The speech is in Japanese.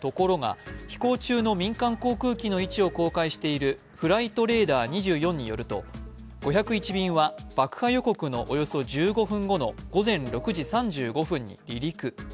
ところが、飛行中の民間航空機の位置を公開しているフライトレーダー２４によると５０１便は爆破予告のおよそ１５分後の午前６時３５分に離陸。